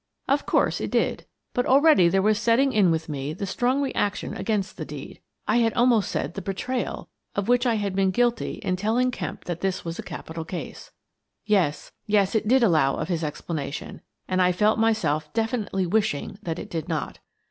Of course it did, but already there was setting in with me the strong reaction against the deed — I had almost said the betrayal — of which I had been guilty in telling Kemp that this was a capital case. Yes, yes, it did allow of his explanation, arid I felt myself definitely wishing that it did not.